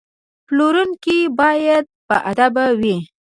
پلورونکی باید باادبه وي.